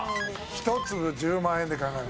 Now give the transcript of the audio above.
１粒１０万円で考えました。